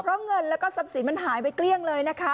เพราะเงินซับสินมันหายไปเกลี้ยงเลยนะคะ